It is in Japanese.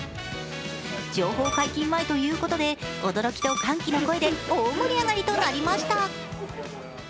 情報解禁前ということで驚きと歓喜の声で大盛り上がりとなりました。